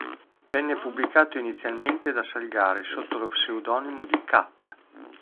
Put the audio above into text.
Venne pubblicato inizialmente da Salgari sotto lo pseudonimo di cap.